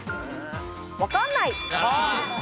わかんない！